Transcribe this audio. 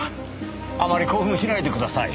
あまり興奮しないでください。